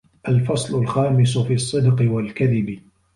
الْفَصْلُ الْخَامِسُ فِي الصِّدْقِ وَالْكَذِبِ